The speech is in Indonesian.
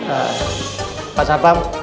eee pak sarpam